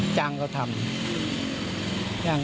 จังเราทำ